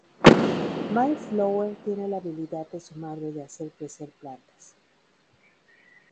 Mayflower tiene la habilidad de su madre de hacer crecer plantas.